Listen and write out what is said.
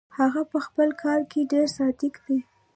هغه پهخپل کار کې ډېر صادق دی.